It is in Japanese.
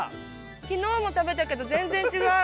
昨日も食べたけど全然違う。